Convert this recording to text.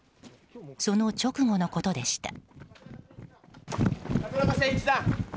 その直後のことでした。